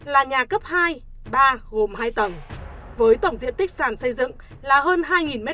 là nhà cấp hai ba gồm hai tầng với tổng diện tích sàn xây dựng là hơn hai m hai